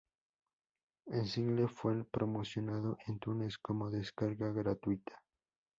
El Single fue promocionado en iTunes como descarga gratuita.